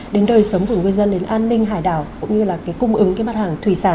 đến đời sống của người dân đến an ninh hải đảo cũng như là cung ứng mặt hàng thủy sản